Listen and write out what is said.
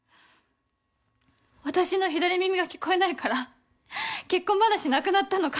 私の左耳が聞こえないから、結婚話なくなったのか。